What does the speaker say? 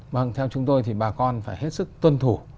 vâng theo chúng tôi thì bà con phải hết sức tuân thủ